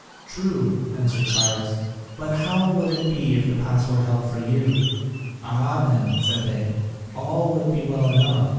"True," answered Cyrus, "but how would it be if the pass were held for you?" "Ah, then," said they, "all would be well enough."